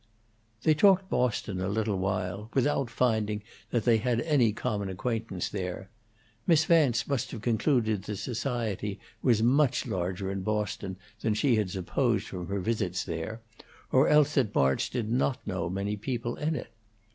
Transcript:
They talked Boston a little while, without finding that they had common acquaintance there; Miss Vance must have concluded that society was much larger in Boston than she had supposed from her visits there, or else that March did not know many people in it.